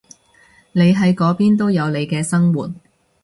你喺嗰邊都有你嘅生活